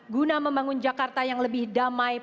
guna membangun jakarta yang lebih damai